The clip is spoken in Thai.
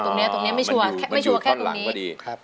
ตรงนี้ตรงนี้ไม่ชัวร์ไม่ชัวร์แค่ตรงนี้ครับ